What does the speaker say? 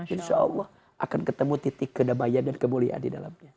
insya allah akan ketemu titik kedamaian dan kemuliaan di dalamnya